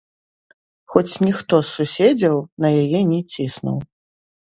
Хоць ніхто з суседзяў на яе не ціснуў.